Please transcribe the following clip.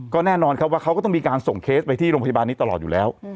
ก็แน่นอนครับว่าเขาก็ต้องมีการส่งเคสไปที่โรงพยาบาลนี้ตลอดอยู่แล้ว